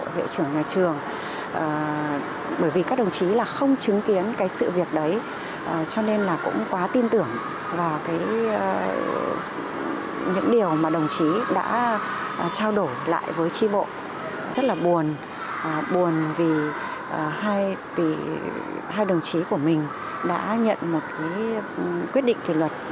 đã nhận một quyết định kỷ luật